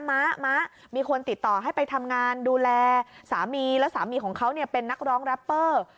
มะม้ามีคนติดต่อให้ไปทำงานดูแลสามีและสามีของเขาเนี่ยเป็นนักร้องแรปเปอร์